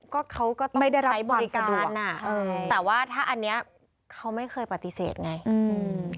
ก็เขาก็ต้องใช้บริการน่ะแต่ว่าถ้าอันนี้เขาไม่เคยปฏิเสธไงอืม